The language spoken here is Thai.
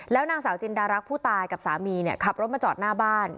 นางสาวจินดารักษ์ผู้ตายกับสามีขับรถมาจอดหน้าบ้าน